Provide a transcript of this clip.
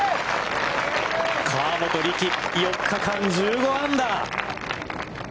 河本力、４日間、１５アンダー。